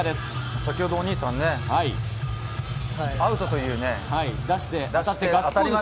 先ほどお兄さん、アウトと出して。